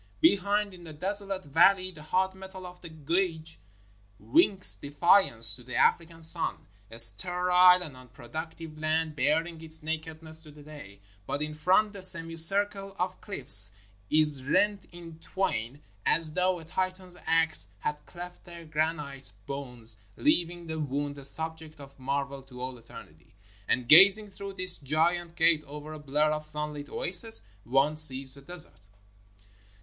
Be hind, in the desolate valley, the hot metal of the gauge winks defiance to the African sun, — a sterile and un productive land baring its nakedness to the day, — but in front, the semicircle of cliffs is rent in twain as though a Titan's axe had cleft their granite bones, leaving the wound a subject of marvel to all eternity. And, gazing through this giant gate over a blur of sunlit oasis, one sees the desert.